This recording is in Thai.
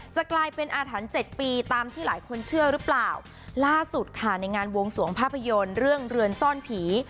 จะกลายเป็นอาถรรพ์เจ็ดปีตามที่หลายคนเชื่อหรือเปล่าล่าสุดค่ะในงานวงสวงภาพยนตร์เรื่องเรือนซ่อนผี